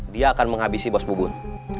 dia akan menghabisi bos bubun